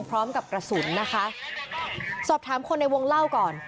พร้อมกับกระสุนนะคะสอบถามคนในวงเล่าก่อน